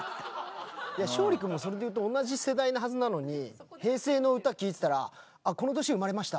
勝利君もそれで言うと同じ世代のはずなのに平成の歌聴いてたら「この年生まれました」